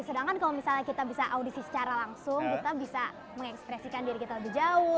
sedangkan kalau misalnya kita bisa audisi secara langsung kita bisa mengekspresikan diri kita lebih jauh